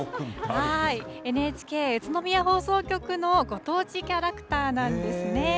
ＮＨＫ宇都宮放送局のご当地キャラクターなんですね。